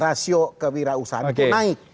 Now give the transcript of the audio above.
rasio kewirausahaan itu naik